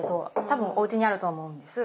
たぶんおうちにあると思う。